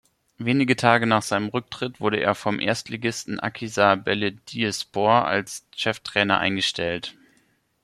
Wenige Tage nach seinem Rücktritt wurde er vom Erstligisten Akhisar Belediyespor als Cheftrainer eingestellt.